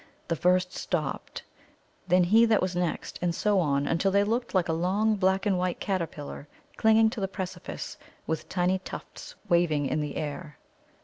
The first stopped, then he that was next, and so on, until they looked like a long black and white caterpillar, clinging to the precipice, with tiny tufts waving in the air.